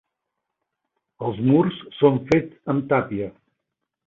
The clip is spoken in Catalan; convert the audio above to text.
Els murs són fets amb tàpia.